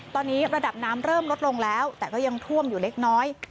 ตอนนี้ระดับน้ำเริ่มลดลงแล้วแต่ก็ยังท่วมอยู่เล็กน้อย